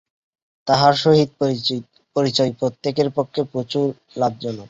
তাঁহার সহিত পরিচয় প্রত্যেকেরই পক্ষে প্রচুর লাভজনক।